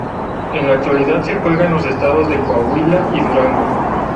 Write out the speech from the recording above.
En la actualidad se juega en los estados de Coahuila y Durango.